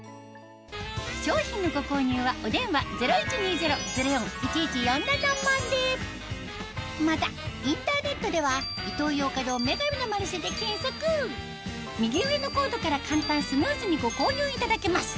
商品のご購入はお電話またインターネットでは右上のコードから簡単スムーズにご購入いただけます